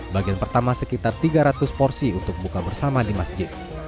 bagian pertama sekitar tiga ratus porsi untuk buka bersama di masjid